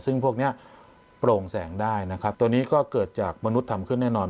ซึ่งพวกนี้โปร่งแสงได้นะครับตัวนี้ก็เกิดจากมนุษย์ทำขึ้นแน่นอน